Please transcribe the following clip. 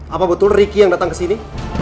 apa betul ricky yang datang ke sini